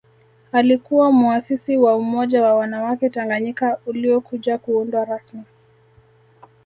Alikuwa muasisi wa Umoja wa wanawake Tanganyika uliokuja kuundwa rasmi